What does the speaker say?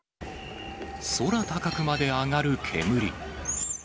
空高くまで上がる煙。